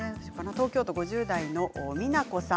東京都５０代の方です。